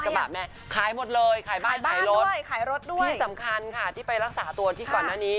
สำคัญเมื่อลักษณ์การแถลงกระทับยนต์